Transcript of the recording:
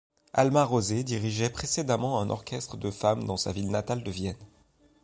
Alma Rosé dirigeait précédemment un orchestre de femmes dans sa ville natale de Vienne.